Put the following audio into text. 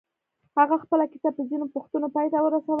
هغه خپله کيسه په ځينو پوښتنو پای ته ورسوله.